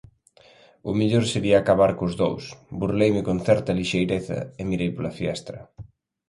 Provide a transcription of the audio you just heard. O mellor sería acabar cos dous, burleime con certa lixeireza e mirei pola fiestra.